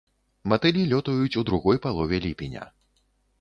Матылі лётаюць у другой палове ліпеня.